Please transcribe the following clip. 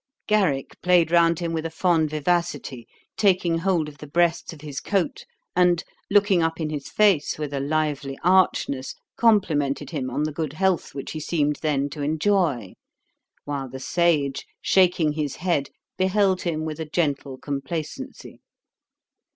Garrick played round him with a fond vivacity, taking hold of the breasts of his coat, and, looking up in his face with a lively archness, complimented him on the good health which he seemed then to enjoy; while the sage, shaking his head, beheld him with a gentle complacency.